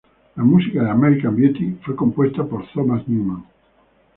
La música de "American Beauty" fue compuesta por Thomas Newman.